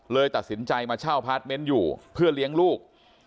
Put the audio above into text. ตัดสินใจมาเช่าพาร์ทเมนต์อยู่เพื่อเลี้ยงลูก